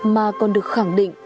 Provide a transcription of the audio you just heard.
mà còn được khẳng định